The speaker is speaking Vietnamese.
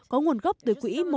có nguồn gốc từ quỹ một m ba